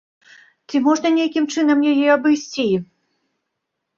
Ці можна нейкім чынам яе абысці?